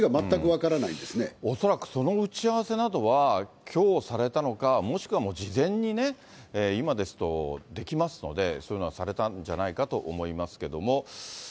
恐らくその打ち合わせなどは、きょうされたのか、もしくはもう事前にね、今ですとできますので、そういうのはされたんじゃないかと思いますけども。